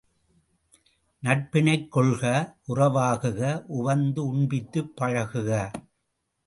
நட்பினைக் கொள்க உறவாகுக உவந்து உண்பித்துப் பழகுக.